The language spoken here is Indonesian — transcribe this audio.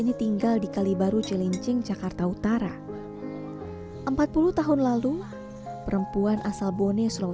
kita ada bayangin di situ doang anak kita lagi susah